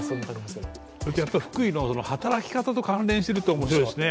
やっぱ福井の働き方と関連してるのが面白いですね。